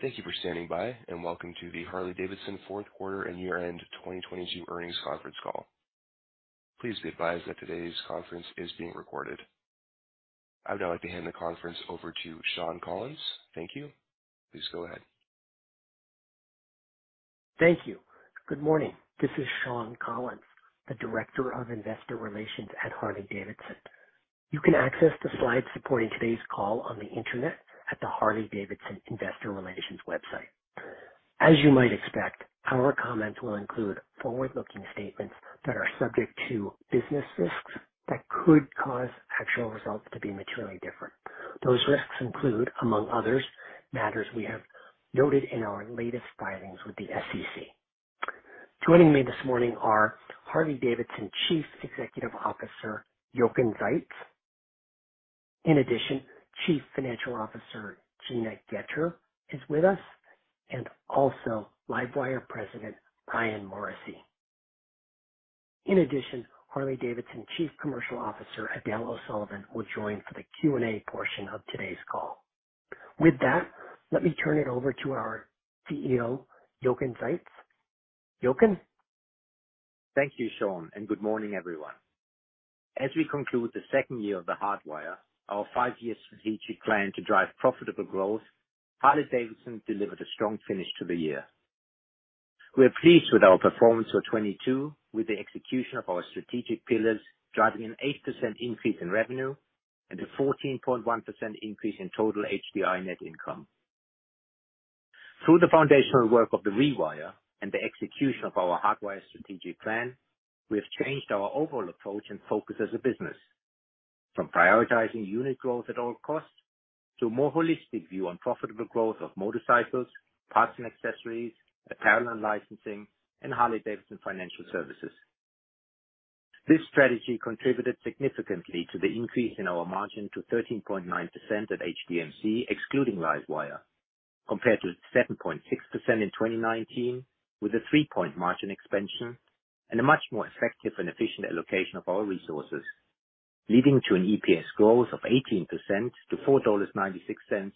Thank you for standing by, welcome to the Harley-Davidson fourth quarter and year-end 2022 earnings conference call. Please be advised that today's conference is being recorded. I would now like to hand the conference over to Shawn Collins. Thank you. Please go ahead. Thank you. Good morning. This is Shawn Collins, the Director of Investor Relations at Harley-Davidson. You can access the slides supporting today's call on the Internet at the Harley-Davidson Investor Relations website. As you might expect, our comments will include forward-looking statements that are subject to business risks that could cause actual results to be materially different. Those risks include, among others, matters we have noted in our latest filings with the SEC. Joining me this morning are Harley-Davidson Chief Executive Officer, Jochen Zeitz. Chief Financial Officer, Gina Goetter, is with us, and also LiveWire President, Ryan Morrissey. Harley-Davidson Chief Commercial Officer, Edel O'Sullivan, will join for the Q&A portion of today's call. With that, let me turn it over to our CEO, Jochen Zeitz. Jochen? Thank you, Shawn. Good morning, everyone. As we conclude the second year of Hardwire, our five-year strategic plan to drive profitable growth, Harley-Davidson delivered a strong finish to the year. We are pleased with our performance for 2022, with the execution of our strategic pillars driving an 8% increase in revenue and a 14.1% increase in total HDI net income. Through the foundational work of Rewire and the execution of our Hardwire strategic plan, we have changed our overall approach and focus as a business from prioritizing unit growth at all costs to a more holistic view on profitable growth of motorcycles, parts and accessories, apparel and licensing, and Harley-Davidson Financial Services. This strategy contributed significantly to the increase in our margin to 13.9% at HDMC, excluding LiveWire, compared to 7.6% in 2019, with a three-point margin expansion and a much more effective and efficient allocation of our resources, leading to an EPS growth of 18% to $4.96,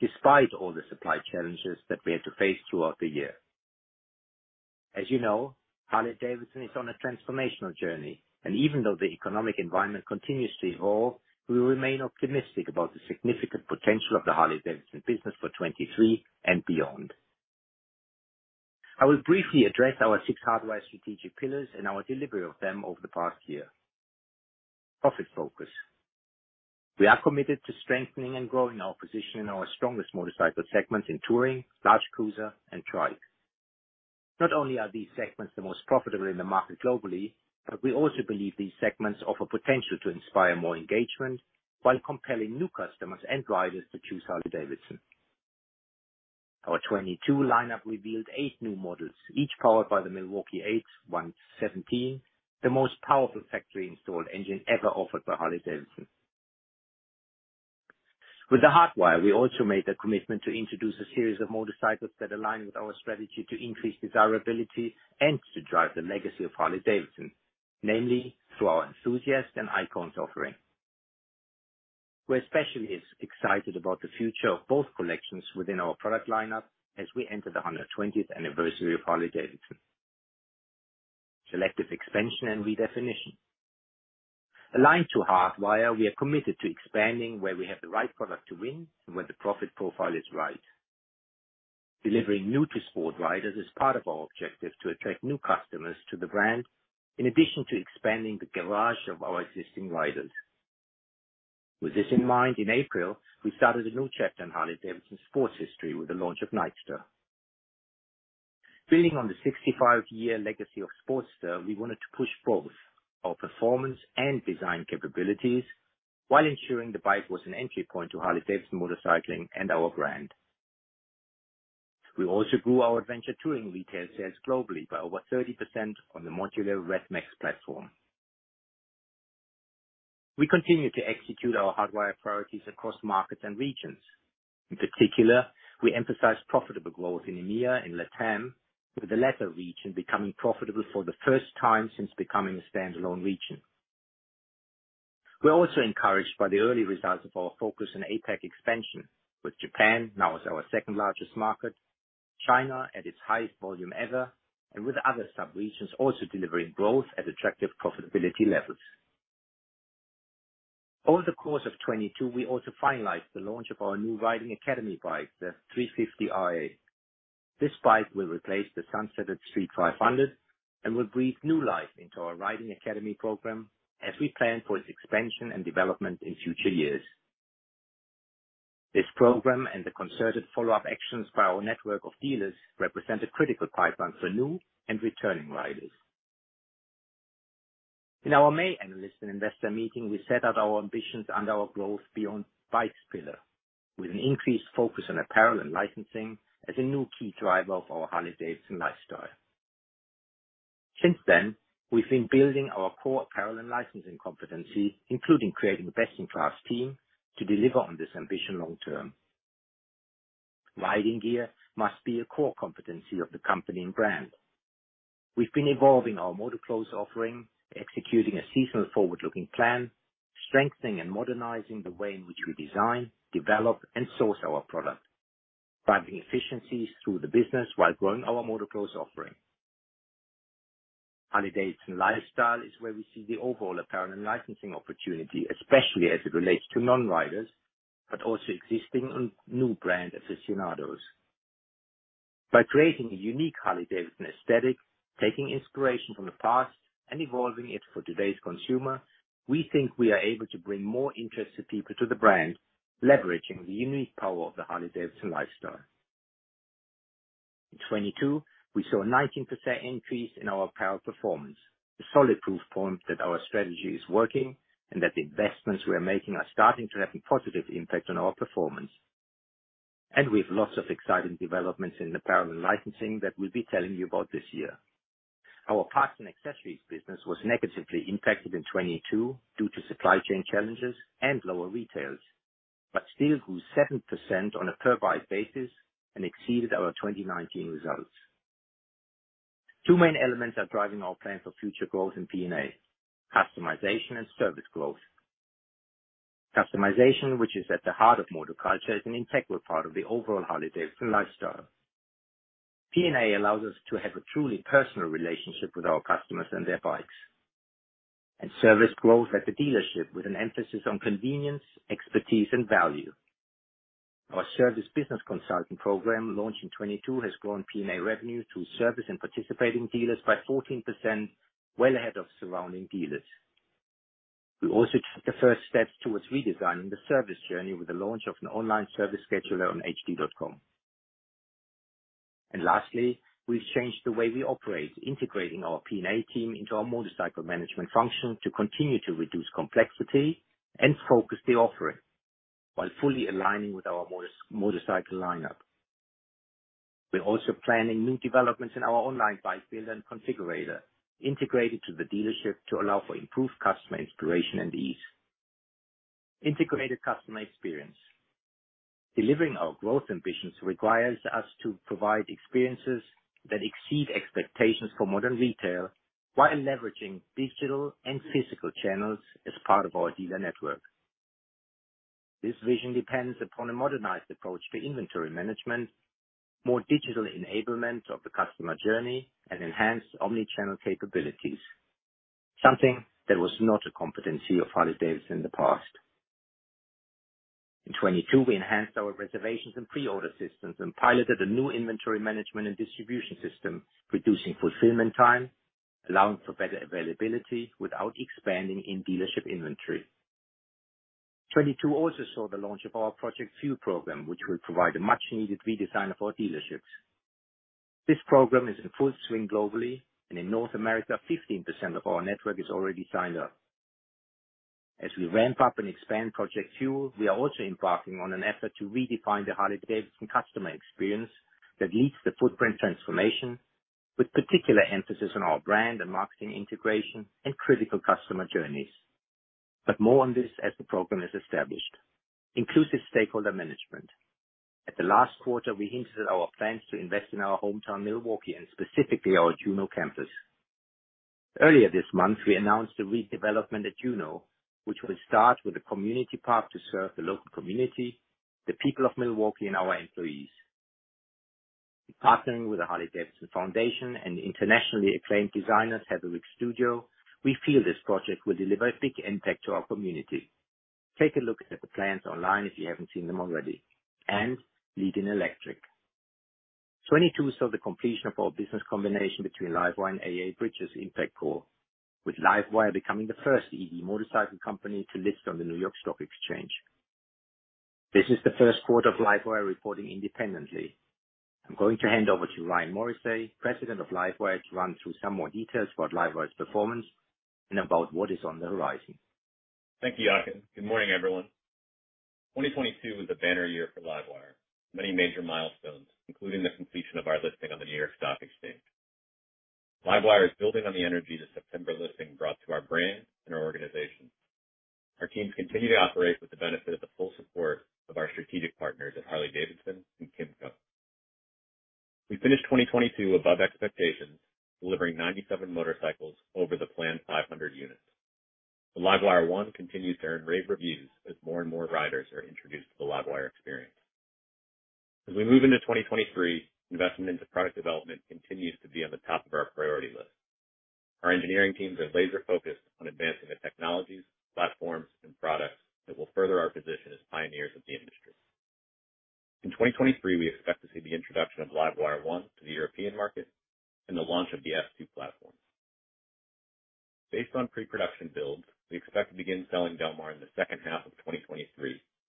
despite all the supply challenges that we had to face throughout the year. As you know, Harley-Davidson is on a transformational journey, and even though the economic environment continues to evolve, we remain optimistic about the significant potential of the Harley-Davidson business for 2023 and beyond. I will briefly address our six Hardwire strategic pillars and our delivery of them over the past year. Profit focus. We are committed to strengthening and growing our position in our strongest motorcycle segments in touring, large cruiser, and trike. Not only are these segments the most profitable in the market globally, but we also believe these segments offer potential to inspire more engagement while compelling new customers and riders to choose Harley-Davidson. Our 22 lineup revealed eight new models, each powered by the Milwaukee-Eight 117, the most powerful factory-installed engine ever offered by Harley-Davidson. With The Hardwire, we also made a commitment to introduce a series of motorcycles that align with our strategy to increase desirability and to drive the legacy of Harley-Davidson, namely through our Enthusiast and Icons offering. We're especially excited about the future of both collections within our product lineup as we enter the 120th anniversary of Harley-Davidson. Selective expansion and redefinition. Aligned to The Hardwire, we are committed to expanding where we have the right product to win and where the profit profile is right. Delivering new to sport riders is part of our objective to attract new customers to the brand in addition to expanding the garage of our existing riders. With this in mind, in April, we started a new chapter in Harley-Davidson sports history with the launch of Nightster. Building on the 65-year legacy of Sportster, we wanted to push both our performance and design capabilities while ensuring the bike was an entry point to Harley-Davidson motorcycling and our brand. We also grew our adventure touring retail sales globally by over 30% on the modular Revolution Max platform. We continue to execute our Hardwire priorities across markets and regions. In particular, we emphasize profitable growth in EMEA and LATAM, with the latter region becoming profitable for the first time since becoming a standalone region. We're also encouraged by the early results of our focus on APAC expansion, with Japan now as our second-largest market, China at its highest volume ever, and with other sub-regions also delivering growth at attractive profitability levels. Over the course of 2022, we also finalized the launch of our new Riding Academy bike, the X350RA. This bike will replace the sunsetted Street 500 and will breathe new life into our Riding Academy program as we plan for its expansion and development in future years. This program and the concerted follow-up actions by our network of dealers represent a critical pipeline for new and returning riders. In our May analyst and investor meeting, we set out our ambitions under our growth beyond bikes pillar with an increased focus on apparel and licensing as a new key driver of our Harley-Davidson lifestyle. Since then, we've been building our core apparel and licensing competency, including creating a best-in-class team to deliver on this ambition long term. Riding gear must be a core competency of the company and brand. We've been evolving our MotorClothes offering, executing a seasonal forward-looking plan, strengthening and modernizing the way in which we design, develop, and source our product. Driving efficiencies through the business while growing our MotorClothes offering. Harley-Davidson lifestyle is where we see the overall apparel and licensing opportunity, especially as it relates to non-riders, but also existing and new brand aficionados. By creating a unique Harley-Davidson aesthetic, taking inspiration from the past and evolving it for today's consumer, we think we are able to bring more interested people to the brand, leveraging the unique power of the Harley-Davidson lifestyle. In 2022, we saw a 19% increase in our apparel performance. A solid proof point that our strategy is working and that the investments we are making are starting to have a positive impact on our performance. We have lots of exciting developments in apparel and licensing that we'll be telling you about this year. Our parts and accessories business was negatively impacted in 22 due to supply chain challenges and lower retails, but still grew 7% on a per bike basis and exceeded our 2019 results. Two main elements are driving our plan for future growth in P&A, customization and service growth. Customization, which is at the heart of motor culture, is an integral part of the overall Harley-Davidson lifestyle. P&A allows us to have a truly personal relationship with our customers and their bikes. Service growth at the dealership, with an emphasis on convenience, expertise, and value. Our service business consulting program, launched in 2022, has grown P&A revenue through service and participating dealers by 14%, well ahead of surrounding dealers. We also took the first steps towards redesigning the service journey with the launch of an online service scheduler on H-D.com. Lastly, we've changed the way we operate, integrating our P&A team into our motorcycle management function to continue to reduce complexity and focus the offering while fully aligning with our motorcycle lineup. We're also planning new developments in our online bike builder and configurator, integrated to the dealership to allow for improved customer inspiration and ease. Integrated customer experience. Delivering our growth ambitions requires us to provide experiences that exceed expectations for modern retail while leveraging digital and physical channels as part of our dealer network. This vision depends upon a modernized approach to inventory management, more digital enablement of the customer journey, and enhanced omnichannel capabilities, something that was not a competency of Harley-Davidson in the past. In 22, we enhanced our reservations and pre-order systems and piloted a new inventory management and distribution system, reducing fulfillment time, allowing for better availability without expanding in dealership inventory. 22 also saw the launch of our Project Fuel program, which will provide a much-needed redesign of our dealerships. This program is in full swing globally, and in North America, 15% of our network is already signed up. As we ramp up and expand Project Fuel, we are also embarking on an effort to redefine the Harley-Davidson customer experience that leads the footprint transformation, with particular emphasis on our brand and marketing integration and critical customer journeys. More on this as the program is established. Inclusive stakeholder management. At the last quarter, we hinted at our plans to invest in our hometown, Milwaukee, and specifically our Juneau campus. Earlier this month, we announced a redevelopment at Juneau, which will start with a community park to serve the local community, the people of Milwaukee, and our employees. Partnering with the Harley-Davidson Foundation and internationally acclaimed designers, Heatherwick Studio, we feel this project will deliver a big impact to our community. Take a look at the plans online if you haven't seen them already. Leading electric. 2022 saw the completion of our business combination between LiveWire and AEA-Bridges Impact Corp, with LiveWire becoming the first EV motorcycle company to list on the New York Stock Exchange. This is the first quarter of LiveWire reporting independently. I'm going to hand over to Ryan Morrissey, President of LiveWire, to run through some more details about LiveWire's performance and about what is on the horizon. Thank you, Jochen. Good morning, everyone. 2022 was a banner year for LiveWire. Many major milestones, including the completion of our listing on the New York Stock Exchange. LiveWire is building on the energy the September listing brought to our brand and our organization. Our teams continue to operate with the benefit of the full support of our strategic partners at Harley-Davidson and KYMCO. We finished 2022 above expectations, delivering 97 motorcycles over the planned 500 units. The LiveWire ONE continues to earn rave reviews as more and more riders are introduced to the LiveWire experience. As we move into 2023, investment into product development continues to be on the top of our priority list. Our engineering teams are laser focused on advancing the technologies, platforms, and products that will further our position as pioneers of the industry. In 2023, we expect to see the introduction of LiveWire ONE to the European market and the launch of the S2 platform. Based on pre-production builds, we expect to begin selling Del Mar in the second half of 2023,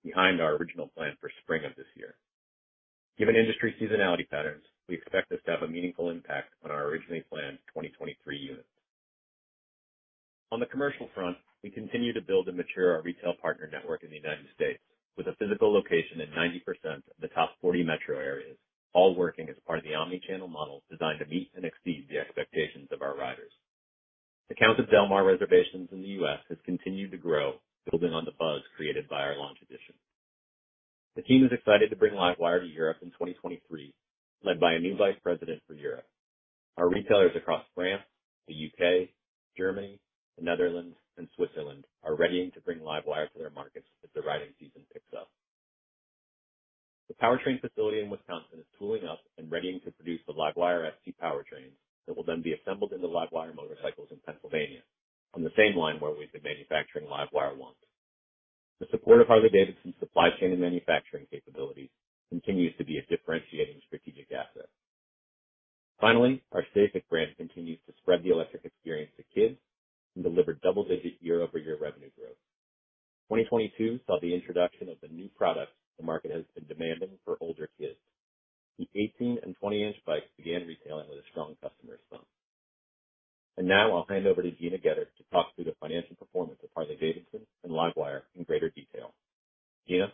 behind our original plan for spring of this year. Given industry seasonality patterns, we expect this to have a meaningful impact on our originally planned 2023 units. On the commercial front, we continue to build and mature our retail partner network in the United States with a physical location in 90% of the top 40 metro areas, all working as part of the omnichannel model designed to meet and exceed the expectations of our riders. The count of Del Mar reservations in the US has continued to grow, building on the buzz created by our launch edition. The team is excited to bring LiveWire to Europe in 2023, led by a new vice president for Europe. Our retailers across France, the UK, Germany, the Netherlands, and Switzerland are readying to bring LiveWire to their markets as the riding season picks up. The powertrain facility in Wisconsin is tooling up and readying to produce the LiveWire TS+ powertrains that will then be assembled into LiveWire motorcycles in Pennsylvania on the same line where we've been manufacturing LiveWire One. The support of Harley-Davidson's supply chain and manufacturing capabilities continues to be a differentiating strategic asset. Finally, our STACYC brand continues to spread the electric experience to kids and deliver double-digit year-over-year revenue growth. 2022 saw the introduction of the new product the market has been demanding for older kids. The 18 and 20-inch bikes began retailing with a strong customer response. Now I'll hand over to Gina Goetter to talk through the financial performance of Harley-Davidson and LiveWire in greater detail. Gina.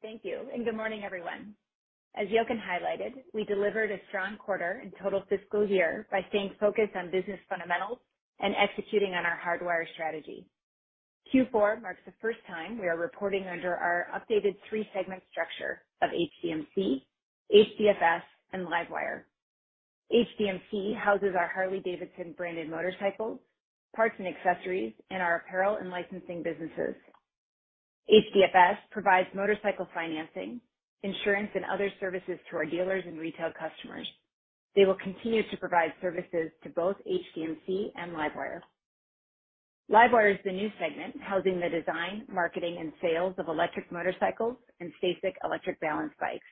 Thank you, and good morning, everyone. As Jochen highlighted, we delivered a strong quarter and total fiscal year by staying focused on business fundamentals and executing on our Hardwire strategy. Q4 marks the first time we are reporting under our updated three-segment structure of HDMC, HDFS, and LiveWire. HDMC houses our Harley-Davidson branded motorcycles, parts and accessories, and our apparel and licensing businesses. HDFS provides motorcycle financing, insurance, and other services to our dealers and retail customers. They will continue to provide services to both HDMC and LiveWire. LiveWire is the new segment housing the design, marketing, and sales of electric motorcycles and STACYC electric balance bikes.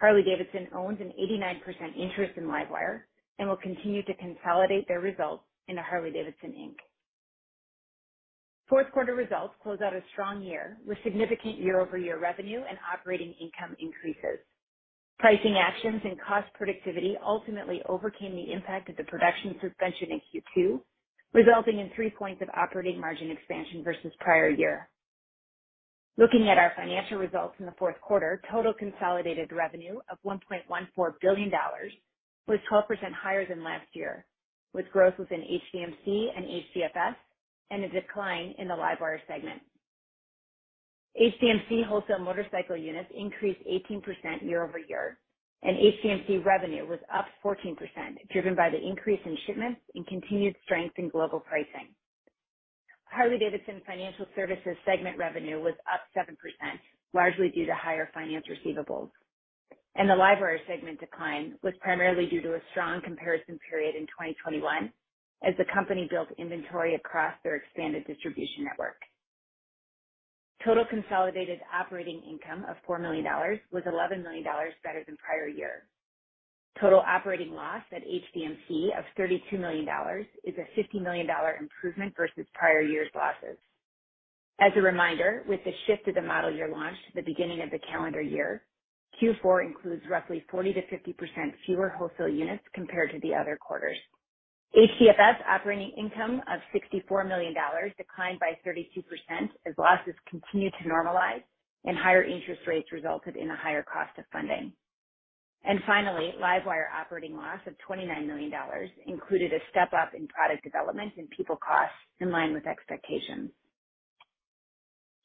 Harley-Davidson owns an 89% interest in LiveWire and will continue to consolidate their results into Harley-Davidson, Inc. Fourth quarter results close out a strong year with significant year-over-year revenue and operating income increases. Pricing actions and cost productivity ultimately overcame the impact of the production suspension in Q2, resulting in three points of operating margin expansion versus prior year. Looking at our financial results in the fourth quarter, total consolidated revenue of $1.14 billion was 12% higher than last year, with growth within HDMC and HDFS and a decline in the LiveWire segment. HDMC wholesale motorcycle units increased 18% year-over-year, HDMC revenue was up 14%, driven by the increase in shipments and continued strength in global pricing. Harley-Davidson Financial Services segment revenue was up 7%, largely due to higher finance receivables. The LiveWire segment decline was primarily due to a strong comparison period in 2021 as the company built inventory across their expanded distribution network. Total consolidated operating income of $4 million was $11 million better than prior year. Total operating loss at HDMC of $32 million is a $50 million improvement versus prior year's losses. As a reminder, with the shift of the model year launch to the beginning of the calendar year, Q4 includes roughly 40%-50% fewer wholesale units compared to the other quarters. HDFS operating income of $64 million declined by 32% as losses continued to normalize and higher interest rates resulted in a higher cost of funding. Finally, LiveWire operating loss of $29 million included a step-up in product development and people costs in line with expectations.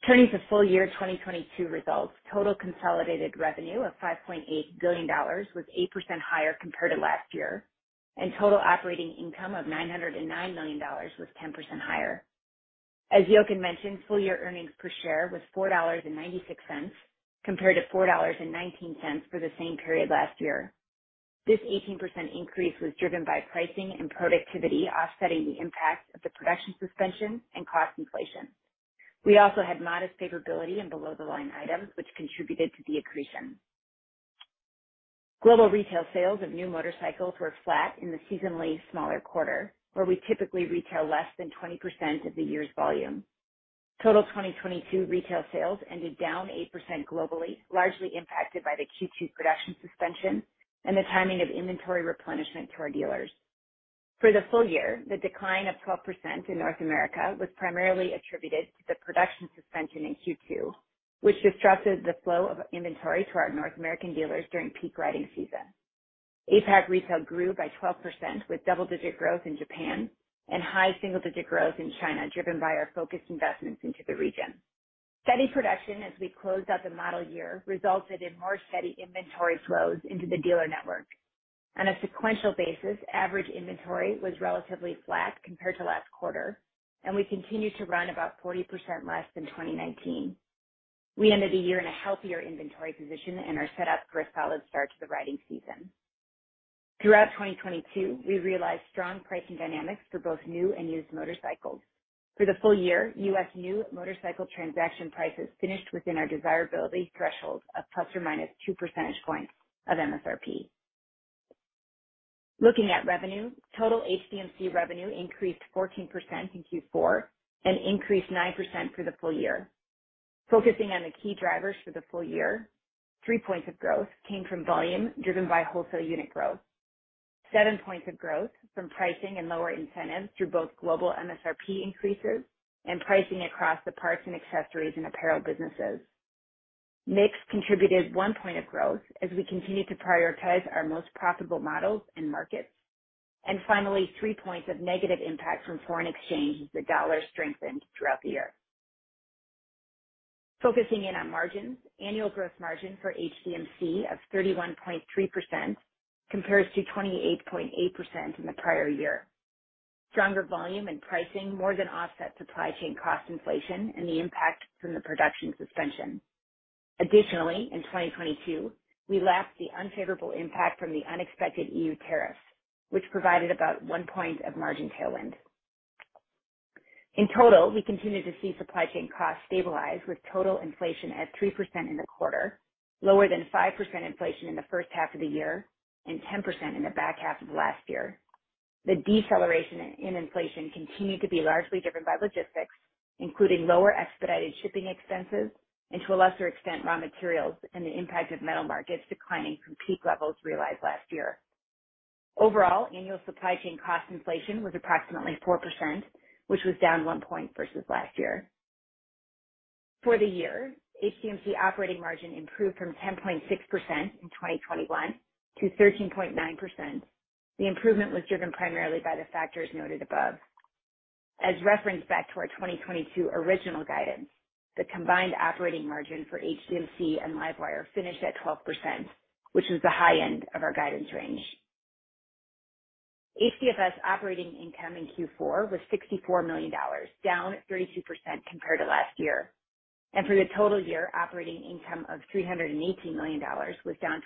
Turning to full year 2022 results, total consolidated revenue of $5.8 billion was 8% higher compared to last year, and total operating income of $909 million was 10% higher. As Jochen mentioned, full year earnings per share was $4.96, compared to $4.19 for the same period last year. This 18% increase was driven by pricing and productivity offsetting the impact of the production suspension and cost inflation. We also had modest favorability in below-the-line items, which contributed to the accretion. Global retail sales of new motorcycles were flat in the seasonally smaller quarter, where we typically retail less than 20% of the year's volume. Total 2022 retail sales ended down 8% globally, largely impacted by the Q2 production suspension and the timing of inventory replenishment to our dealers. For the full year, the decline of 12% in North America was primarily attributed to the production suspension in Q2, which disrupted the flow of inventory to our North American dealers during peak riding season. APAC retail grew by 12%, with double-digit growth in Japan and high single-digit growth in China, driven by our focused investments into the region. Steady production as we closed out the model year resulted in more steady inventory flows into the dealer network. On a sequential basis, average inventory was relatively flat compared to last quarter, and we continued to run about 40% less than 2019. We ended the year in a healthier inventory position and are set up for a solid start to the riding season. Throughout 2022, we realized strong pricing dynamics for both new and used motorcycles. For the full year, U.S. new motorcycle transaction prices finished within our desirability threshold of ±two percentage points of MSRP. Looking at revenue, total HDMC revenue increased 14% in Q4 and increased 9% for the full year. Focusing on the key drivers for the full year, three points of growth came from volume, driven by wholesale unit growth. Seven points of growth from pricing and lower incentives through both global MSRP increases and pricing across the parts and accessories and apparel businesses. Mix contributed one point of growth as we continued to prioritize our most profitable models and markets. Finally, three points of negative impact from foreign exchange as the dollar strengthened throughout the year. Focusing in on margins, annual gross margin for HDMC of 31.3% compares to 28.8% in the prior year. Stronger volume and pricing more than offset supply chain cost inflation and the impact from the production suspension. Additionally, in 2022, we lapped the unfavorable impact from the unexpected EU tariffs, which provided about one point of margin tailwind. In total, we continued to see supply chain costs stabilize, with total inflation at 3% in the quarter, lower than 5% inflation in the first half of the year and 10% in the back half of last year. The deceleration in inflation continued to be largely driven by logistics, including lower expedited shipping expenses and to a lesser extent, raw materials and the impact of metal markets declining from peak levels realized last year. Overall, annual supply chain cost inflation was approximately 4%, which was down one point versus last year. For the year, HDMC operating margin improved from 10.6% in 2021 to 13.9%. The improvement was driven primarily by the factors noted above. As referenced back to our 2022 original guidance, the combined operating margin for HDMC and LiveWire finished at 12%, which was the high end of our guidance range. HDFS operating income in Q4 was $64 million, down 32% compared to last year. For the total year, operating income of $318 million was down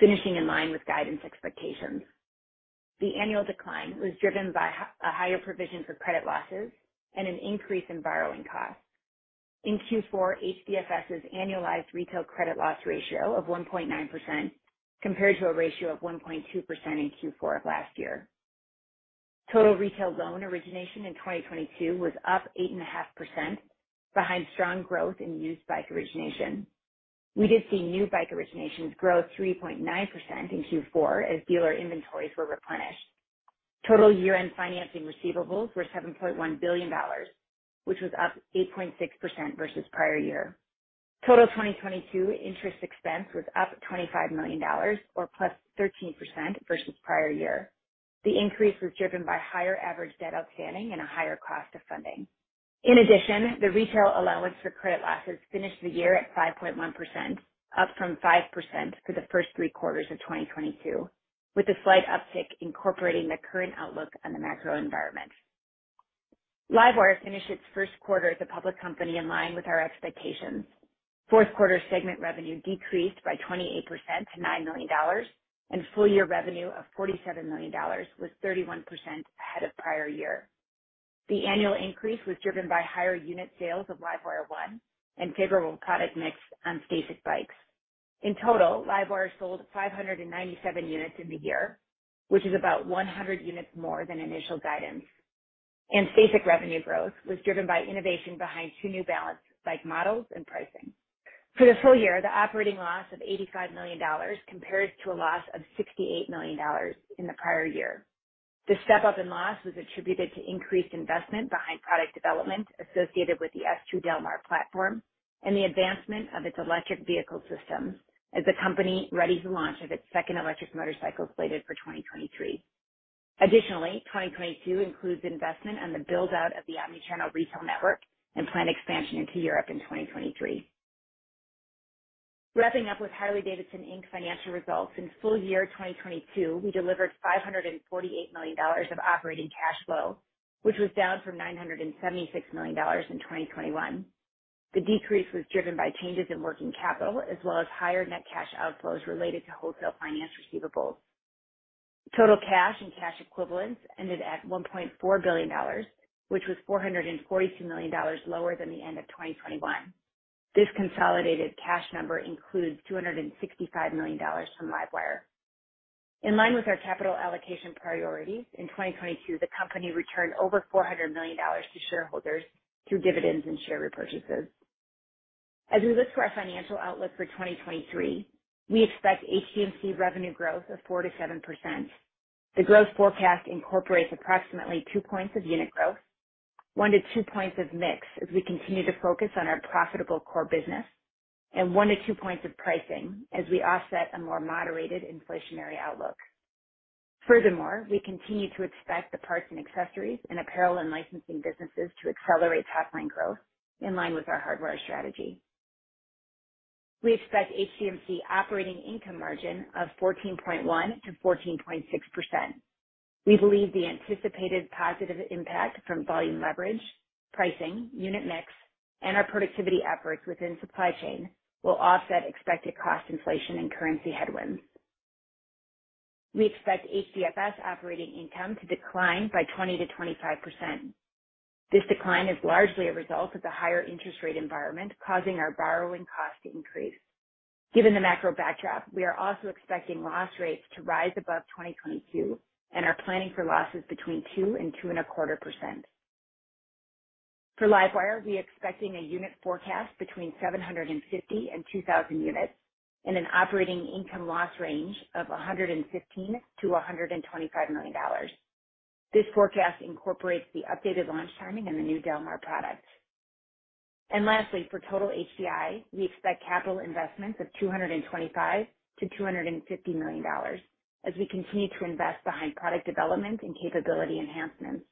23%, finishing in line with guidance expectations. The annual decline was driven by a higher provision for credit losses and an increase in borrowing costs. In Q4, HDFS's annualized retail credit loss ratio of 1.9% compared to a ratio of 1.2% in Q4 of last year. Total retail loan origination in 2022 was up 8.5% behind strong growth in used bike origination. We did see new bike originations grow 3.9% in Q4 as dealer inventories were replenished. Total year-end financing receivables were $7.1 billion, which was up 8.6% versus prior year. Total 2022 interest expense was up $25 million or +13% versus prior year. The increase was driven by higher average debt outstanding and a higher cost of funding. The retail allowance for credit losses finished the year at 5.1%, up from 5% for the first three quarters of 2022, with a slight uptick incorporating the current outlook on the macro environment. LiveWire finished its first quarter as a public company in line with our expectations. Fourth quarter segment revenue decreased by 28% to $9 million, and full-year revenue of $47 million was 31% ahead of prior year. The annual increase was driven by higher unit sales of LiveWire ONE and favorable product mix on STACYC bikes. In total, LiveWire sold 597 units in the year, which is about 100 units more than initial guidance. STACYC revenue growth was driven by innovation behind 2 new Balance bike models and pricing. For the full year, the operating loss of $85 million compares to a loss of $68 million in the prior year. The step-up in loss was attributed to increased investment behind product development associated with the S2 Del Mar platform and the advancement of its electric vehicle systems as the company readies the launch of its second electric motorcycle slated for 2023. Additionally, 2022 includes investment and the build-out of the omnichannel retail network and planned expansion into Europe in 2023. Wrapping up with Harley-Davidson, Inc. financial results, in full year 2022, we delivered $548 million of operating cash flow, which was down from $976 million in 2021. The decrease was driven by changes in working capital as well as higher net cash outflows related to wholesale finance receivables. Total cash and cash equivalents ended at $1.4 billion, which was $442 million lower than the end of 2021. This consolidated cash number includes $265 million from LiveWire. In line with our capital allocation priorities, in 2022, the company returned over $400 million to shareholders through dividends and share repurchases. As we look to our financial outlook for 2023, we expect HDMC revenue growth of 4%-7%. The growth forecast incorporates approximately two points of unit growth, one to two points of mix as we continue to focus on our profitable core business, and one to two points of pricing as we offset a more moderated inflationary outlook. Furthermore, we continue to expect the parts and accessories and apparel and licensing businesses to accelerate top line growth in line with our Hardwire strategy. We expect HDMC operating income margin of 14.1%-14.6%. We believe the anticipated positive impact from volume leverage, pricing, unit mix, and our productivity efforts within supply chain will offset expected cost inflation and currency headwinds. We expect HDFS operating income to decline by 20%-25%. This decline is largely a result of the higher interest rate environment, causing our borrowing cost to increase. Given the macro backdrop, we are also expecting loss rates to rise above 2022 and are planning for losses between two and two and a quarter %. For LiveWire, we are expecting a unit forecast between 750 and 2,000 units and an operating income loss range of $115 million-$125 million. This forecast incorporates the updated launch timing and the new Del Mar products. Lastly, for total HCI, we expect capital investments of $225 million-$250 million as we continue to invest behind product development and capability enhancements.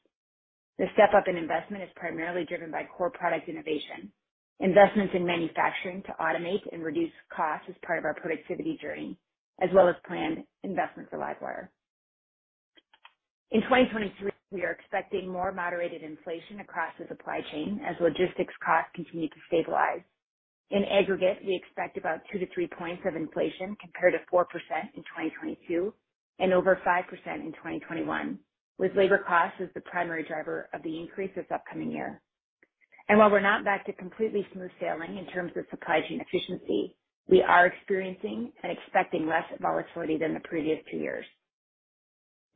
The step-up in investment is primarily driven by core product innovation, investments in manufacturing to automate and reduce costs as part of our productivity journey, as well as planned investments for LiveWire. In 2023, we are expecting more moderated inflation across the supply chain as logistics costs continue to stabilize. In aggregate, we expect about two to three points of inflation compared to 4% in 2022 and over 5% in 2021, with labor costs as the primary driver of the increase this upcoming year. While we're not back to completely smooth sailing in terms of supply chain efficiency, we are experiencing and expecting less volatility than the previous two years.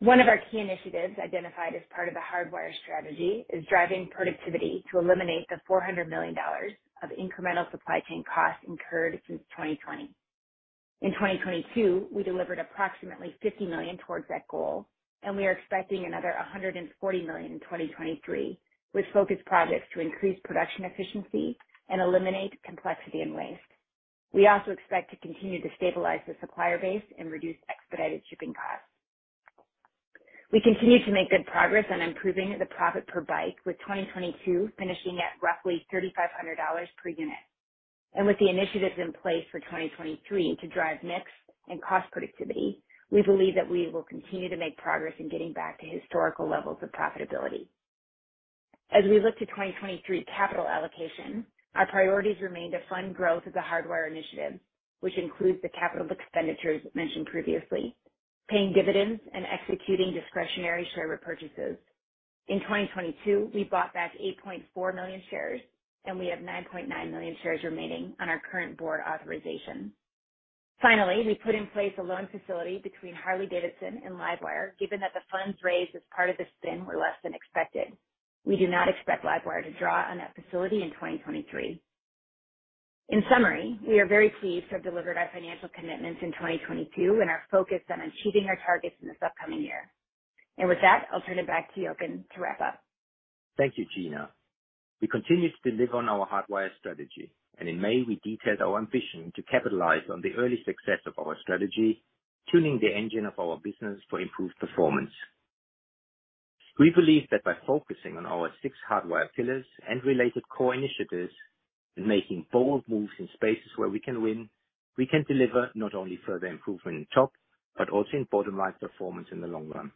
One of our key initiatives identified as part of the Hardwire strategy is driving productivity to eliminate the $400 million of incremental supply chain costs incurred since 2020. In 2022, we delivered approximately $50 million towards that goal, and we are expecting another $140 million in 2023, with focused projects to increase production efficiency and eliminate complexity and waste. We also expect to continue to stabilize the supplier base and reduce expedited shipping costs. We continue to make good progress on improving the profit per bike, with 2022 finishing at roughly $3,500 per unit. With the initiatives in place for 2023 to drive mix and cost productivity, we believe that we will continue to make progress in getting back to historical levels of profitability. As we look to 2023 capital allocation, our priorities remain to fund growth of The Hardwire, which includes the capital expenditures mentioned previously, paying dividends, and executing discretionary share repurchases. In 2022, we bought back 8.4 million shares, and we have 9.9 million shares remaining on our current board authorization. Finally, we put in place a loan facility between Harley-Davidson and LiveWire, given that the funds raised as part of the spin were less than expected. We do not expect LiveWire to draw on that facility in 2023. In summary, we are very pleased to have delivered our financial commitments in 2022 and are focused on achieving our targets in this upcoming year. With that, I'll turn it back to Jochen to wrap up. Thank you, Gina. We continue to deliver on our Hardwire strategy. In May, we detailed our ambition to capitalize on the early success of our strategy, tuning the engine of our business for improved performance. We believe that by focusing on our six Hardwire pillars and related core initiatives and making bold moves in spaces where we can win, we can deliver not only further improvement in top, but also in bottom-line performance in the long run.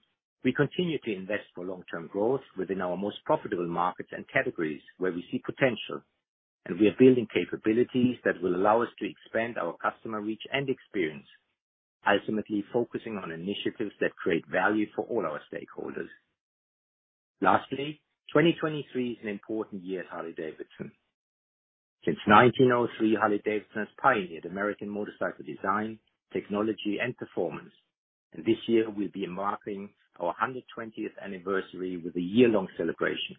We continue to invest for long-term growth within our most profitable markets and categories where we see potential. We are building capabilities that will allow us to expand our customer reach and experience, ultimately focusing on initiatives that create value for all our stakeholders. Lastly, 2023 is an important year at Harley-Davidson. Since 1903, Harley-Davidson has pioneered American motorcycle design, technology, and performance. This year we'll be marking our 120th anniversary with a year-long celebration.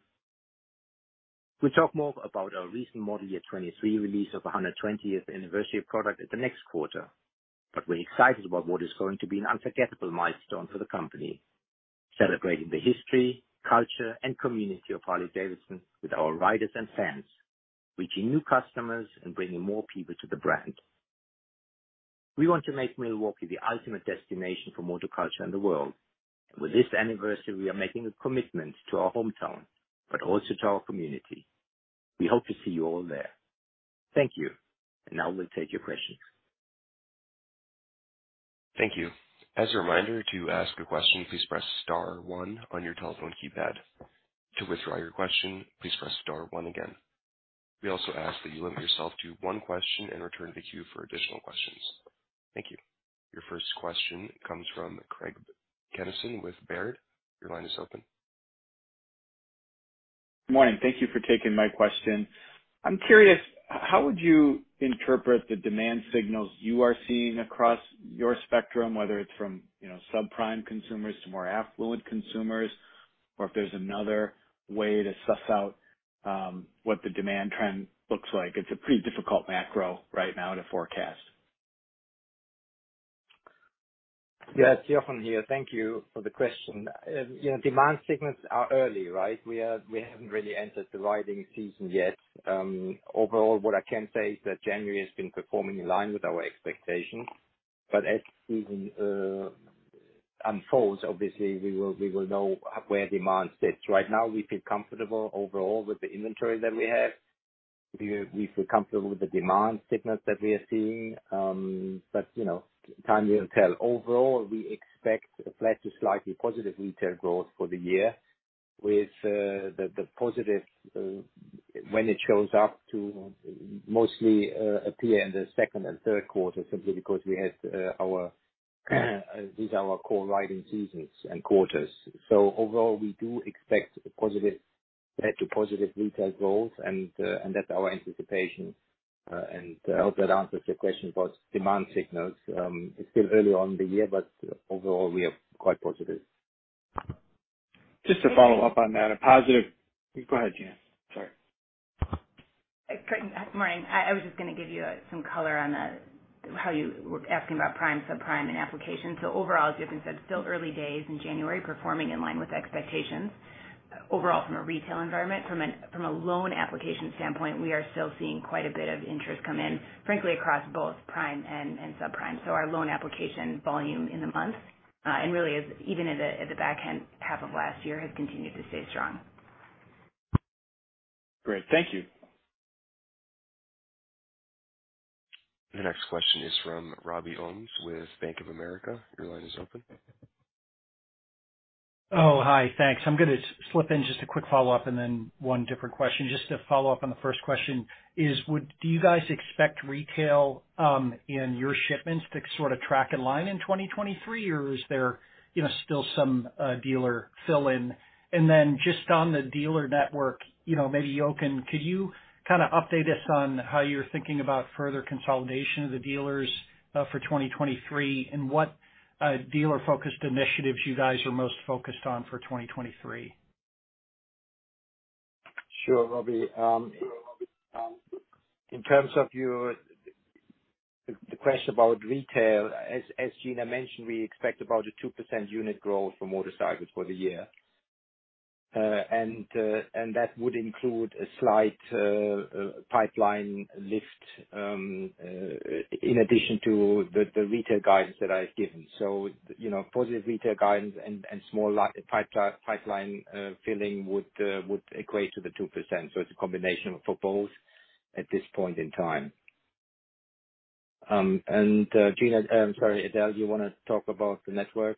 We'll talk more about our recent model year 23 release of a 120th anniversary product at the next quarter. We're excited about what is going to be an unforgettable milestone for the company, celebrating the history, culture, and community of Harley-Davidson with our riders and fans, reaching new customers and bringing more people to the brand. We want to make Milwaukee the ultimate destination for motor culture in the world. With this anniversary, we are making a commitment to our hometown, but also to our community. We hope to see you all there. Thank you. Now we'll take your questions. Thank you. As a reminder, to ask a question, please press star one on your telephone keypad. To withdraw your question, please press star one again. We also ask that you limit yourself to one question and return to queue for additional questions. Thank you. Your first question comes from Craig Kennison with Baird. Your line is open. Morning. Thank you for taking my question. I'm curious, how would you interpret the demand signals you are seeing across your spectrum, whether it's from, you know, subprime consumers to more affluent consumers, or if there's another way to suss out what the demand trend looks like? It's a pretty difficult macro right now to forecast. Yes. Jochen here. Thank you for the question. You know, demand signals are early, right? We haven't really entered the riding season yet. Overall, what I can say is that January has been performing in line with our expectations. As season unfolds, obviously we will know where demand sits. Right now, we feel comfortable overall with the inventory that we have. We feel comfortable with the demand signals that we are seeing. You know, time will tell. Overall, we expect a flat to slightly positive retail growth for the year with the positive when it shows up to mostly appear in the second and third quarter simply because we have, these are our core riding seasons and quarters. Overall, we do expect positive to positive retail growth and that's our anticipation. I hope that answers your question about demand signals. It's still early on in the year, but overall we are quite positive. Just to follow up on that, a positive. Go ahead, Gina. Sorry. Craig, morning. I was just gonna give you some color on that. How you were asking about prime, subprime and application. Overall, as Jochen said, still early days in January, performing in line with expectations overall from a retail environment. From a loan application standpoint, we are still seeing quite a bit of interest come in, frankly, across both prime and subprime. Our loan application volume in the month, and really is even at the back end half of last year has continued to stay strong. Great. Thank you. The next question is from Robert Ohmes with Bank of America. Your line is open. Oh, hi. Thanks. I'm gonna slip in just a quick follow-up and then one different question. Just to follow up on the first question is do you guys expect retail in your shipments to sort of track in line in 2023 or is there, you know, still some dealer fill in? Just on the dealer network, you know, maybe Jochen, could you kinda update us on how you're thinking about further consolidation of the dealers for 2023 and what dealer-focused initiatives you guys are most focused on for 2023? Sure, Robbie. In terms of the question about retail, as Gina mentioned, we expect about a 2% unit growth for motorcycles for the year. That would include a slight pipeline lift in addition to the retail guidance that I've given. You know, positive retail guidance and small pipeline filling would equate to the 2%. It's a combination of both at this point in time. Gina, sorry, Edel, you wanna talk about the network?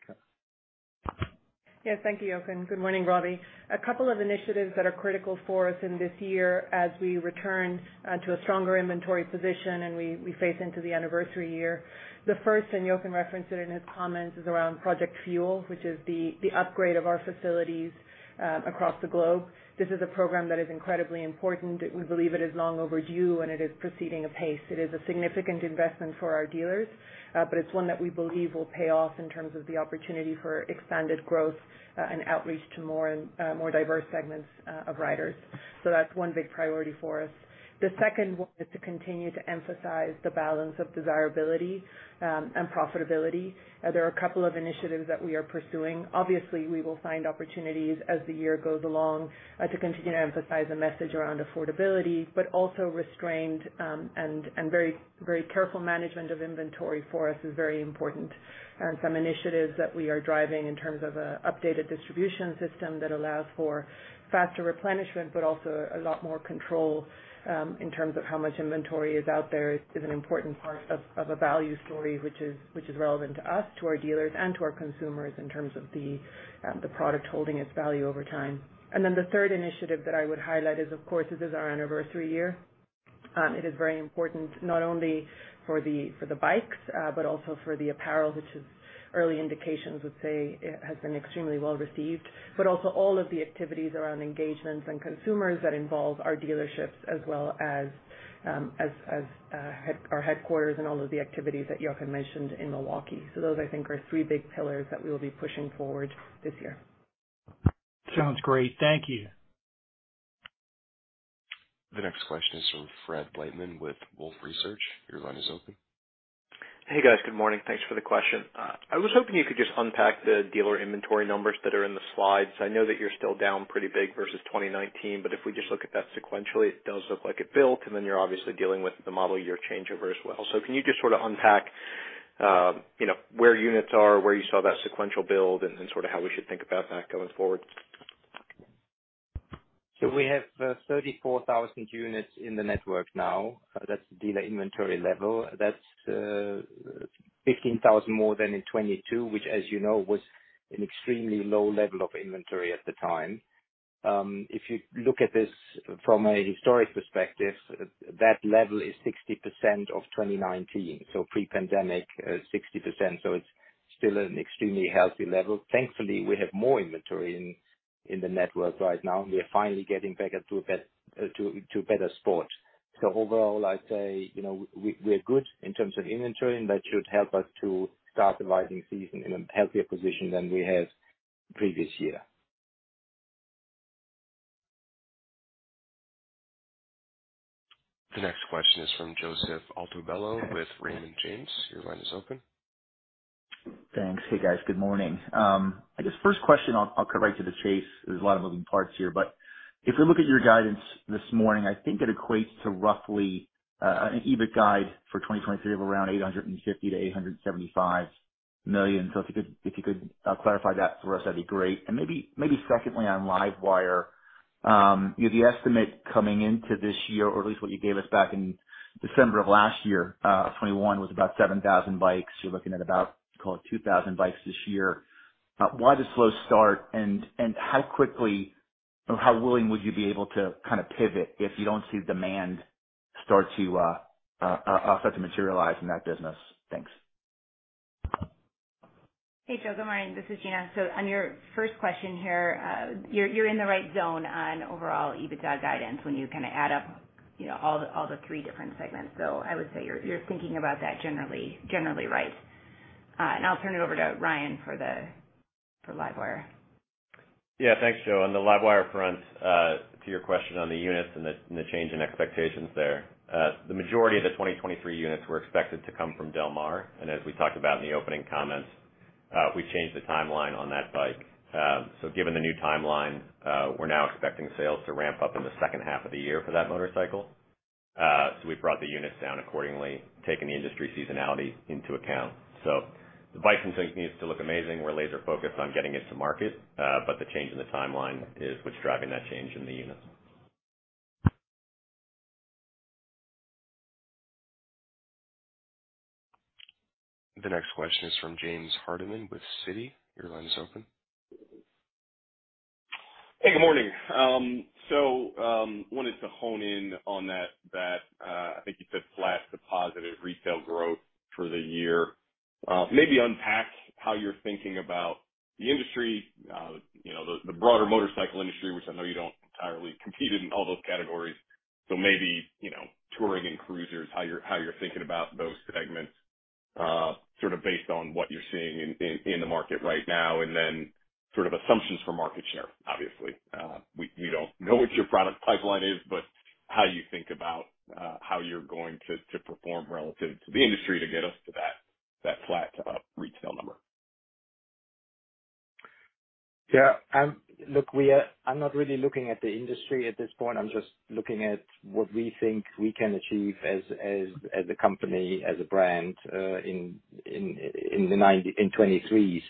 Yes. Thank you, Jochen. Good morning, Robert Ohmes. A couple of initiatives that are critical for us in this year as we return to a stronger inventory position and we face into the anniversary year. The first, and Jochen referenced it in his comments, is around Project Fuel, which is the upgrade of our facilities across the globe. This is a program that is incredibly important. We believe it is long overdue, and it is proceeding apace. It is a significant investment for our dealers, but it's one that we believe will pay off in terms of the opportunity for expanded growth and outreach to more and more diverse segments of riders. That's one big priority for us. The second one is to continue to emphasize the balance of desirability and profitability. There are a couple of initiatives that we are pursuing. Obviously, we will find opportunities as the year goes along, to continue to emphasize a message around affordability but also restrained, and very, very careful management of inventory for us is very important. Some initiatives that we are driving in terms of a updated distribution system that allows for faster replenishment but also a lot more control, in terms of how much inventory is out there is an important part of a value story which is relevant to us, to our dealers, and to our consumers in terms of the product holding its value over time. The third initiative that I would highlight is, of course, this is our anniversary year. It is very important not only for the bikes, but also for the apparel, which is early indications would say it has been extremely well received, but also all of the activities around engagements and consumers that involve our dealerships as well as our headquarters and all of the activities that Jochen mentioned in Milwaukee. Those, I think, are three big pillars that we will be pushing forward this year. Sounds great. Thank you. The next question is from Fred Wightman with Wolfe Research. Your line is open. Hey, guys. Good morning. Thanks for the question. I was hoping you could just unpack the dealer inventory numbers that are in the slides. I know that you're still down pretty big versus 2019, but if we just look at that sequentially, it does look like it built, and then you're obviously dealing with the model year changeover as well. Can you just sorta unpack, you know, where units are, where you saw that sequential build and sorta how we should think about that going forward? We have 34,000 units in the network now. That's the dealer inventory level. That's 15,000 more than in 2022, which, as you know, was an extremely low level of inventory at the time. If you look at this from a historic perspective, that level is 60% of 2019, so pre-pandemic, 60%. It's still an extremely healthy level. Thankfully, we have more inventory in the network right now, and we are finally getting back up to better spots. Overall, I'd say, you know, we're good in terms of inventory, and that should help us to start the riding season in a healthier position than we have previous year. The next question is from Joseph Altobello with Raymond James. Your line is open. Thanks. Hey, guys. Good morning. I guess first question, I'll cut right to the chase. There's a lot of moving parts here, but if we look at your guidance this morning, I think it equates to roughly an EBIT guide for 2023 of around $850 million-$875 million. If you could clarify that for us, that'd be great. Maybe secondly on LiveWire, the estimate coming into this year or at least what you gave us back in December of last year, 2021, was about 7,000 bikes. You're looking at about call it 2,000 bikes this year. Why the slow start and how quickly or how willing would you be able to kinda pivot if you don't see demand start to materialize in that business? Thanks. Hey, Joe. Good morning. This is Gina. On your first question here, you're in the right zone on overall EBITDA guidance when you kind of add up, you know, all the three different segments. I would say you're thinking about that generally right. And I'll turn it over to Ryan for LiveWire. Yeah. Thanks, Joe. On the LiveWire front, to your question on the units and the, and the change in expectations there, the majority of the 2023 units were expected to come from Del Mar, and as we talked about in the opening comments, we changed the timeline on that bike. Given the new timeline, we're now expecting sales to ramp up in the second half of the year for that motorcycle. We've brought the units down accordingly, taking the industry seasonality into account. The bike continues to look amazing. We're laser focused on getting it to market, but the change in the timeline is what's driving that change in the units. The next question is from James Hardiman with Citi. Your line is open. Hey, good morning. wanted to hone in on that, I think you said flat to positive retail growth for the year, maybe unpack how you're thinking about the industry, you know, the broader motorcycle industry, which I know you don't entirely compete in all those categories, so maybe, you know, touring and cruisers, how you're thinking about those segments, sort of based on what you're seeing in the market right now, and then sort of assumptions for market share, obviously. we don't know what your product pipeline is, but how you think about how you're going to perform relative to the industry to get us to that flat to up retail number? Look, I'm not really looking at the industry at this point. I'm just looking at what we think we can achieve as a company, as a brand, in 2023.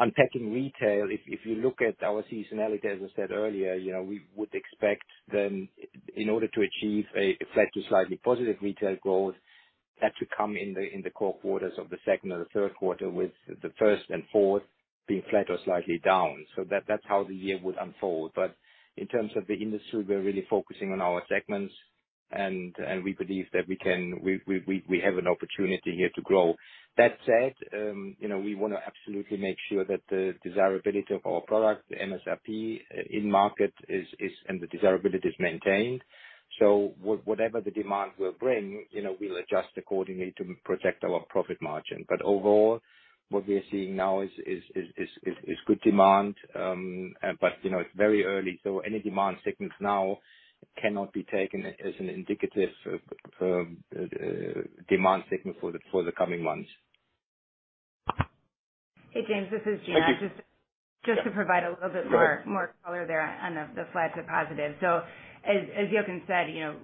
Unpacking retail, if you look at our seasonality, as I said earlier, you know, we would expect them, in order to achieve a flat to slightly positive retail growth, that to come in the core quarters of the second or the third quarter, with the first and fourth being flat or slightly down. That's how the year would unfold. In terms of the industry, we're really focusing on our segments and we believe that we can have an opportunity here to grow. That said, you know, we wanna absolutely make sure that the desirability of our product, the MSRP in market is... and the desirability is maintained. Whatever the demand will bring, you know, we'll adjust accordingly to protect our profit margin. Overall, what we are seeing now is good demand, but, you know, it's very early, so any demand signals now cannot be taken as an indicative demand signal for the coming months. Hey, James, this is Gina. Just to provide a little bit more- Right. More color there on the flat to positive. As Jochen said, you know,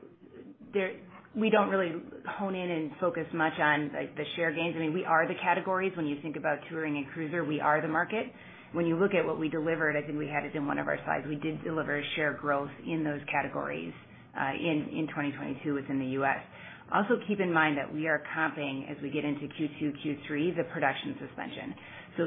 we don't really hone in and focus much on, like, the share gains. I mean, we are the categories. When you think about touring and cruiser, we are the market. When you look at what we delivered, I think we had it in one of our slides, we did deliver a share growth in those categories in 2022 within the U.S. Also keep in mind that we are comping as we get into Q2, Q3, the production suspension.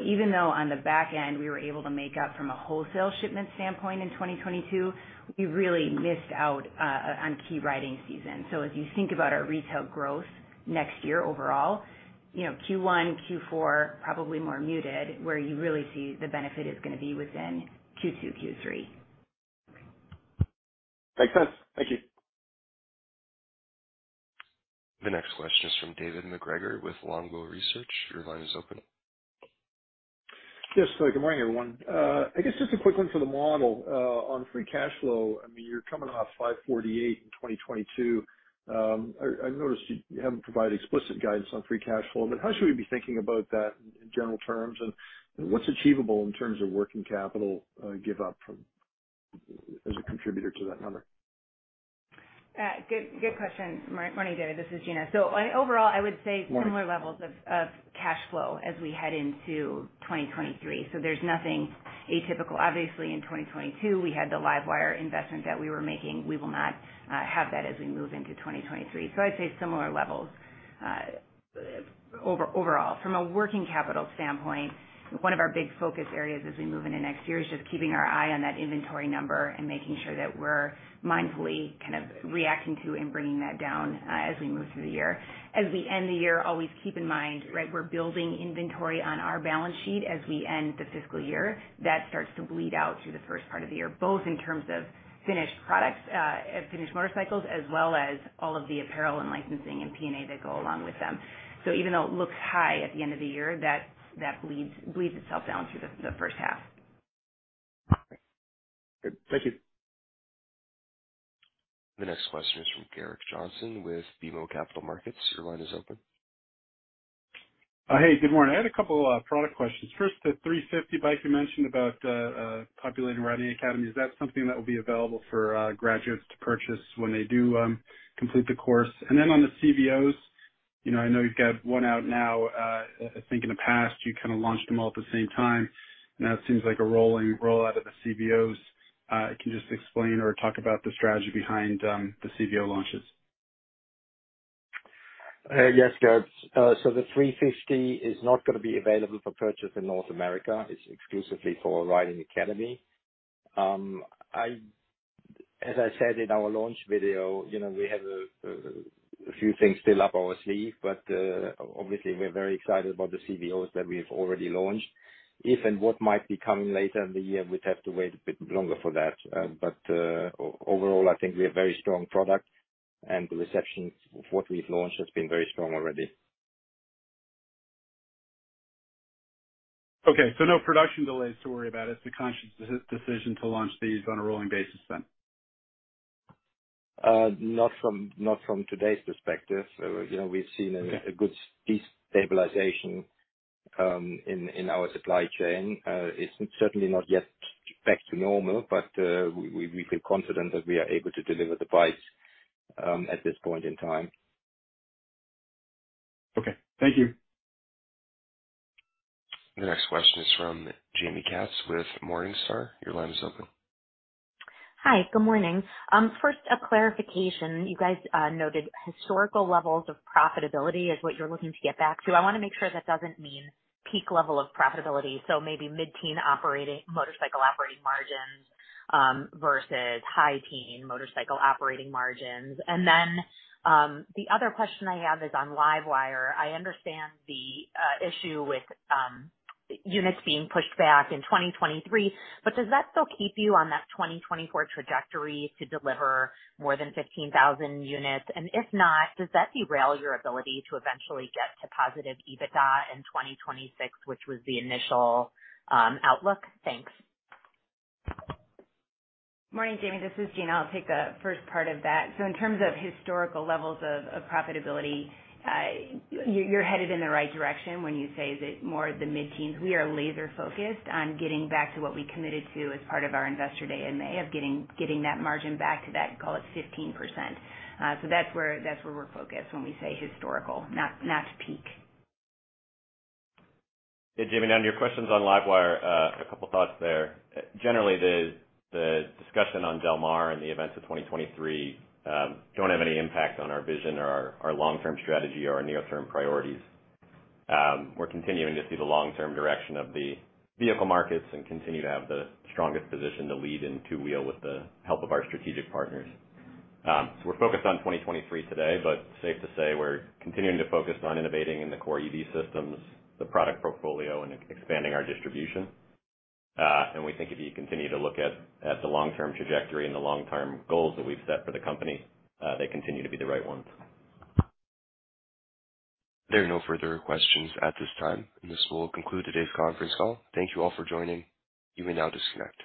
Even though on the back end we were able to make up from a wholesale shipment standpoint in 2022, we really missed out on key riding season. As you think about our retail growth next year overall, you know, Q1, Q4, probably more muted, where you really see the benefit is gonna be within Q2, Q3. Makes sense. Thank you. The next question is from David MacGregor with Longbow Research. Your line is open. Yes. Good morning, everyone. I guess just a quick one for the model. On free cash flow, I mean, you're coming off $548 in 2022. I've noticed you haven't provided explicit guidance on free cash flow, but how should we be thinking about that in general terms, and what's achievable in terms of working capital, give up from as a contributor to that number? Good question. Morning, David. This is Gina. Overall, I would say similar. Right. levels of cash flow as we head into 2023. There's nothing atypical. Obviously, in 2022, we had the LiveWire investment that we were making. We will not have that as we move into 2023. I'd say similar levels overall. From a working capital standpoint, one of our big focus areas as we move into next year is just keeping our eye on that inventory number and making sure that we're mindfully kind of reacting to and bringing that down as we move through the year. As we end the year, always keep in mind, right, we're building inventory on our balance sheet as we end the fiscal year. That starts to bleed out through the first part of the year, both in terms of finished products, finished motorcycles, as well as all of the apparel and licensing and P&A that go along with them. Even though it looks high at the end of the year, that bleeds itself down through the first half. Good. Thank you. The next question is from Gerrick Johnson with BMO Capital Markets. Your line is open. Hey, good morning. I had a couple product questions. First, the 350 bike you mentioned about populating Riding Academy. Is that something that will be available for graduates to purchase when they do complete the course? Then on the CVOs, you know, I know you've got one out now. I think in the past, you kind of launched them all at the same time. Now it seems like a rolling rollout of the CVOs. Can you just explain or talk about the strategy behind the CVO launches? Yes, Gerrick. The 350 is not gonna be available for purchase in North America. It's exclusively for our Riding Academy. As I said in our launch video, you know, we have a few things still up our sleeve, but obviously, we're very excited about the CVOs that we've already launched. If and what might be coming later in the year, we'd have to wait a bit longer for that. Overall, I think we have very strong product, and the reception of what we've launched has been very strong already. Okay, no production delays to worry about. It's a conscious decision to launch these on a rolling basis then? Not from, not from today's perspective. You know, we've seen a good piece stabilization in our supply chain. It's certainly not yet back to normal, but we feel confident that we are able to deliver the bikes at this point in time. Okay. Thank you. The next question is from Jaime Katz with Morningstar. Your line is open. Hi. Good morning. First a clarification. You guys noted historical levels of profitability is what you're looking to get back to. I wanna make sure that doesn't mean peak level of profitability, so maybe mid-teen motorcycle operating margins versus high teen motorcycle operating margins. Then, the other question I have is on LiveWire. I understand the issue with units being pushed back in 2023, but does that still keep you on that 2024 trajectory to deliver more than 15,000 units? If not, does that derail your ability to eventually get to positive EBITDA in 2026, which was the initial outlook? Thanks. Morning, Jaime. This is Gina. I'll take the first part of that. In terms of historical levels of profitability, you're headed in the right direction when you say that more of the mid-teens. We are laser focused on getting back to what we committed to as part of our investor day in May of getting that margin back to that, call it 15%. That's where we're focused when we say historical, not peak. Hey, Jaime. Down to your questions on LiveWire, a couple thoughts there. Generally, the discussion on Del Mar and the events of 2023 don't have any impact on our vision or our long-term strategy or our near-term priorities. We're continuing to see the long-term direction of the vehicle markets and continue to have the strongest position to lead in two-wheel with the help of our strategic partners. We're focused on 2023 today, but safe to say we're continuing to focus on innovating in the core EV systems, the product portfolio, and expanding our distribution. We think if you continue to look at the long-term trajectory and the long-term goals that we've set for the company, they continue to be the right ones. There are no further questions at this time. This will conclude today's conference call. Thank you all for joining. You may now disconnect.